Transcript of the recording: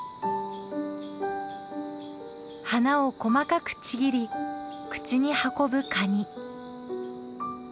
花を細かくちぎり口に運ぶカニ。